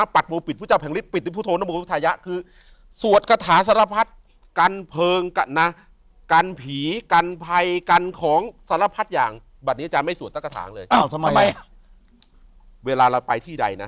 ปัจจานไม่สวดตัดกระถางเลยอ้าวไม่เวลาเราไปที่ใดนะ